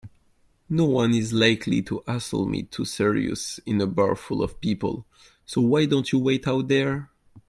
Noone is likely to hassle me too seriously in a bar full of people, so why don't you wait out here?